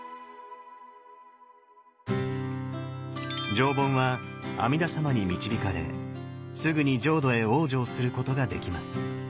上品は阿弥陀様に導かれすぐに浄土へ往生することができます。